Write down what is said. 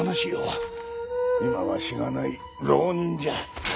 今はしがない浪人じゃ。